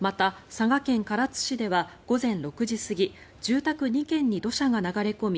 佐賀県唐津市では午前６時過ぎ住宅２軒に土砂が流れ込み